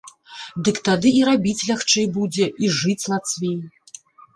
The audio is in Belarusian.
Дык тады і рабіць лягчэй будзе, і жыць лацвей.